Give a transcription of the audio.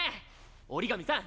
折紙さん